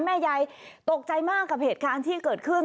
แม่ยายตกใจมากกับเหตุการณ์ที่เกิดขึ้น